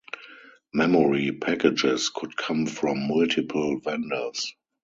Memory packages could come from multiple vendors.